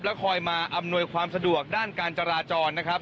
คอยมาอำนวยความสะดวกด้านการจราจรนะครับ